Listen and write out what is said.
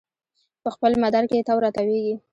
په خپل مدار کې تاو راتاویږي